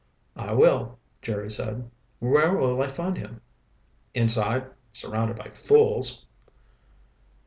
"I will," Jerry said. "Where will I find him?" "Inside. Surrounded by fools."